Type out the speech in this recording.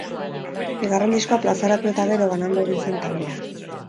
Bigarren diskoa plazaratu eta gero, banandu egin zen taldea.